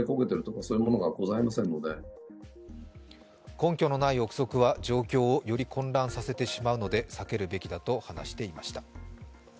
根拠のない臆測は状況をより混乱させてしまうので避けるべきだと話していました。